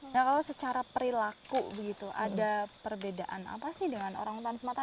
nah kalau secara perilaku begitu ada perbedaan apa sih dengan orangutan sumatera